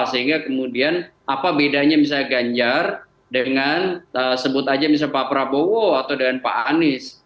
sehingga kemudian apa bedanya misalnya ganjar dengan sebut aja misalnya pak prabowo atau dengan pak anies